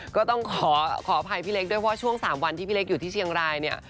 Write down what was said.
ก็ต้องขอขออภัยพี่เล็กด้วยเพราะช่วง๓วันที่พี่เล็กอยู่ที่เชียงรายเนี่ย